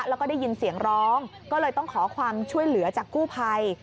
แล้วก็ได้ยินเสียงร้องก็เลยต้องขอความช่วยเหลือจากกู้ภัย